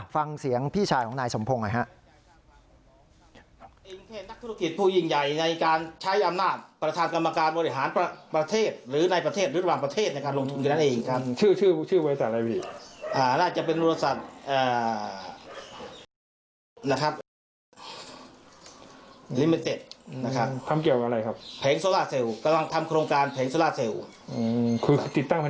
ฟังเสียงพี่ชายของนายสมพงศ์หน่อยฮะ